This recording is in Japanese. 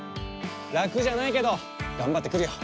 ラクじゃないけどがんばってくるよ。